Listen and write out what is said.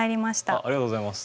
ありがとうございます。